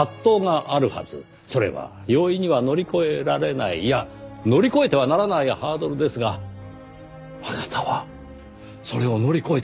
それは容易には乗り越えられないいや乗り越えてはならないハードルですがあなたはそれを乗り越えてしまった。